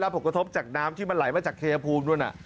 ผลกระทบจากน้ำที่มันไหลมาจากชายภูมิด้วย